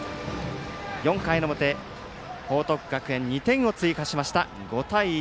４回の表、報徳学園２点を追加しました５対１。